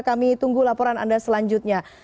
kami tunggu laporan anda selanjutnya